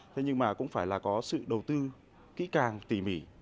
thế nhưng mà cũng phải là có sự đầu tư kỹ càng tỉ mỉ